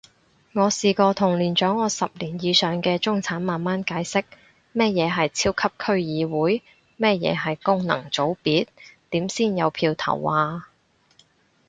我試過同年長我十年以上嘅中產慢慢解釋，乜嘢係超級區議會？乜嘢係功能組別？點先有票投啊？